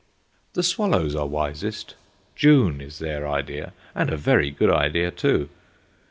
The swallows are wisest; June is their idea, and a very good idea, too.